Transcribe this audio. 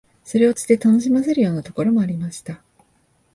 それを釣って楽しませるようなところもありました